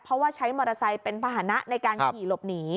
เพราะว่าใช้มอเตอร์ไซค์เป็นภาษณะในการขี่หลบหนี